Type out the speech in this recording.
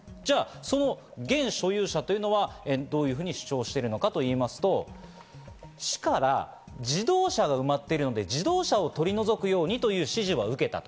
現所有者はどういうふうに主張しているのかというと、市から自動車が埋まっているので自動車を取り除くようにという指示は受けたと。